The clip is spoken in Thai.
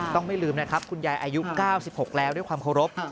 ไม่ลืมนะครับคุณยายอายุ๙๖แล้วด้วยความเคารพ